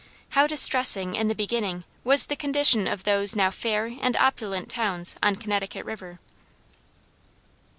How distressing, in the beginning, was the condition of those now fair and opulent towns on Connecticut River!